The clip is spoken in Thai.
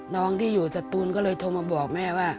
น้องที่อยู่สตูนก็เลยโทรมาบอกแม่ว่า